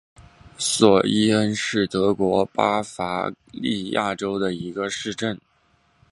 索伊恩是德国巴伐利亚州的一个市镇。